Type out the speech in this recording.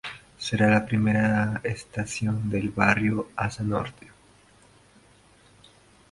Será la primera estación del barrio Asa Norte.